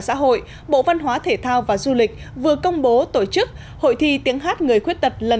xã hội bộ văn hóa thể thao và du lịch vừa công bố tổ chức hội thi tiếng hát người khuyết tật lần